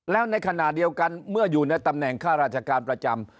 แล้วในขณะเดียวกันเมื่ออยู่ในตำแหน่งข้าราชการประจำ